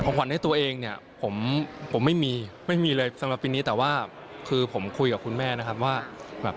ขวัญให้ตัวเองเนี่ยผมผมไม่มีไม่มีเลยสำหรับปีนี้แต่ว่าคือผมคุยกับคุณแม่นะครับว่าแบบ